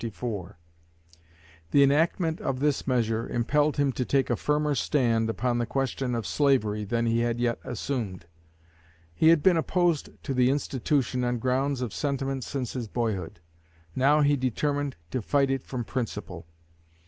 The enactment of this measure impelled him to take a firmer stand upon the question of slavery than he had yet assumed. He had been opposed to the institution on grounds of sentiment since his boyhood; now he determined to fight it from principle.